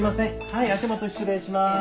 はい足元失礼します。